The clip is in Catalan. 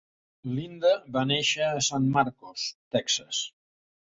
Lynda va néixer a San Marcos, Texas.